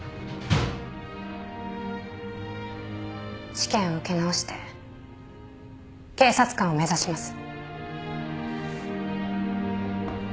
試験を受け直して警察官を目指します。